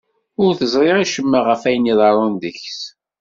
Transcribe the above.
Ur teẓri acemma ɣef wayen iḍerrun deg-s.